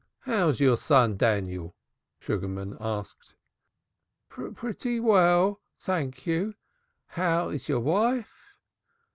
"How is your son Daniel?" Sugarman asked. "Pretty well, thank you. How is your wife?"